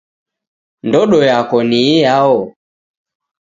Ndodo yako ni iyao?